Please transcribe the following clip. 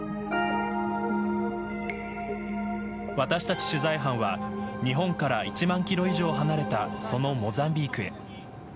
私たち取材班は日本から１万キロ以上離れたそのモザンビークへ。